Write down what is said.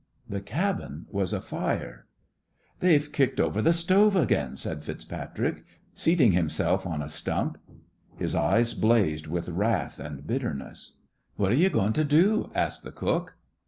The cabin was afire. "They've kicked over th' stove again," said FitzPatrick, seating himself on a stump. His eyes blazed with wrath and bitterness. "What yo' goin' to do?" asked the cook.